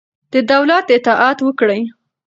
د دولت اطاعت وکړئ.